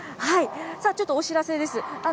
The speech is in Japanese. ちょっとお知らせです。